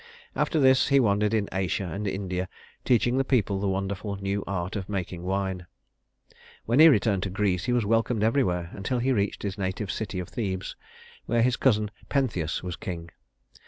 After this he wandered in Asia and India, teaching the people the wonderful new art of making wine. When he returned to Greece, he was welcomed everywhere, until he reached his native city of Thebes, where his cousin Pentheus was king.